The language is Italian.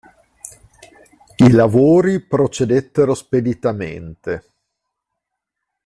I lavori procedettero speditamente.